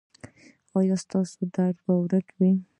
ایا ستاسو درد به ورک وي؟